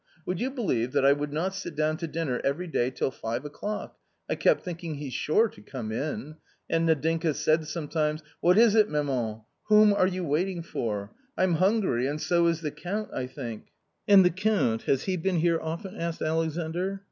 Would you believe that I would not sit down to dinner every day till five o'clock. I kept thinking he's sure to come in. And Nadinka said sometimes :* What is it, maman ? whom are you waiting for ? I'm hungry, and so is the Count, I think.' " "And the Count — has he been here often?" asked Alexandr.